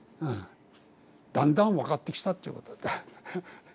うん。だんだん分かってきたっていうことだ。